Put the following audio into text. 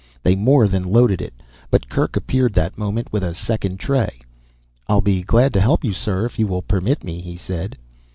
They more than loaded it, but Kerk appeared that moment with a second tray. "I'll be glad to help you, sir, if you will permit me," he said.